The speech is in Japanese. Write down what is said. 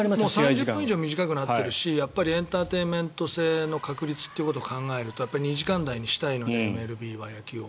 ３０分以上短くなってるしやっぱりエンターテインメント性の確立ということを考えると２時間台にしたいのでＭＬＢは野球を。